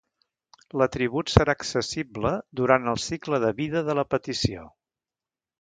L'atribut serà accessible durant el cicle de vida de la petició.